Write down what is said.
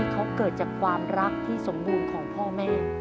เขาเกิดจากความรักที่สมบูรณ์ของพ่อแม่